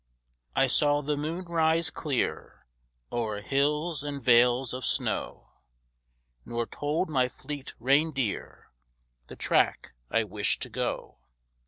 I saw the moon rise clear O'er hills and vales of snow Nor told my fleet reindeer The track I wished to go.